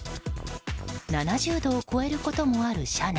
７０度を超えることもある車内。